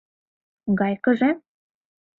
— Гайкыже?